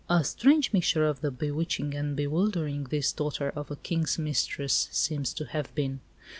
A strange mixture of the bewitching and bewildering, this daughter of a King's mistress seems to have been.